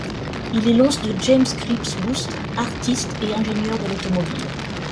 Il est l'once de James Scripps Booth, artiste et ingénieur de l'automobile.